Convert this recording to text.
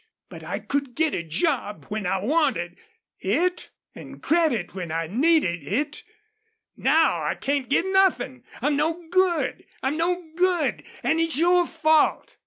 But I could get a job when I wanted it an' credit when I needed it. Now I can't get nothin'. I'm no good! ... I'm no good! An' it's your fault!"